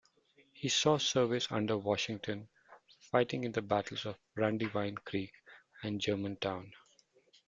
He saw service under Washington, fighting in the battles of Brandywine Creek and Germantown.